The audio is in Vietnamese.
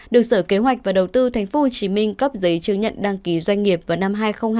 được sở kế hoạch và đầu tư tp hcm cấp giấy chứng nhận đăng ký doanh nghiệp vào năm hai nghìn hai mươi